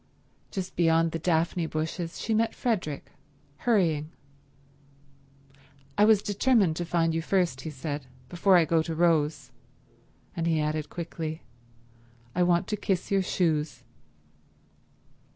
Just beyond the daphne bushes she met Fredrick, hurrying. "I was determined to find you first," he said, "before I go to Rose." And he added quickly, "I want to kiss your shoes."